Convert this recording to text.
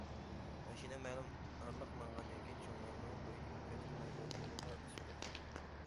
ماشىنا مەلۇم ئارىلىق ماڭغاندىن كېيىن چوڭ يولنىڭ بويىدىكى كۆتۈرمە يول ئۇلىغا ئۈسۈپ توختىغان.